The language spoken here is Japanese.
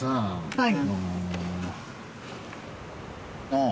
はい。